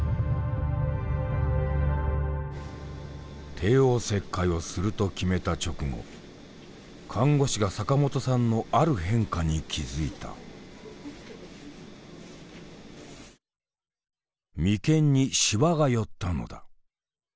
帝王切開をすると決めた直後看護師が坂本さんのある変化に気付いた眉間にしわが寄ったのだ。